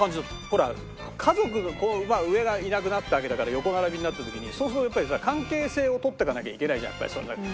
ほら家族上がいなくなったわけだから横並びになった時にそうするとやっぱりさ関係性を取っていかなきゃいけないじゃんそれなりに。